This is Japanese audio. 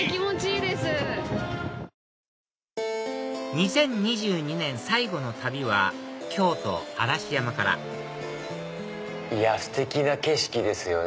２０２２年最後の旅は京都・嵐山からステキな景色ですよね